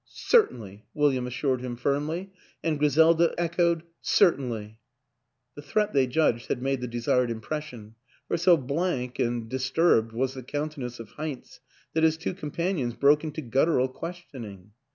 " Certainly," William assured him firmly; and Griselda echoed " Certainly." The threat they judged had made the desired impression, for so blank and disturbed was the countenance of Heinz that his two companions broke into guttural ques tioning.